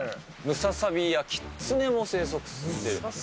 ムササビやキツネも生息している。